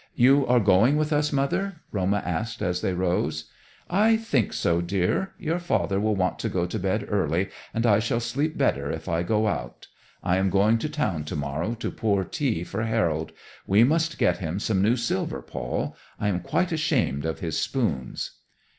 "You are going with us, Mother?" Roma asked as they rose. "I think so dear. Your father will want to go to bed early, and I shall sleep better if I go out. I am going to town tomorrow to pour tea for Harold. We must get him some new silver, Paul. I am quite ashamed of his spoons."